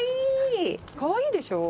かわいいでしょ？